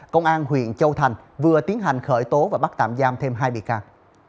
công an huyện châu thành vừa tiến hành khởi tố và bắt tạm giam thêm hai bị can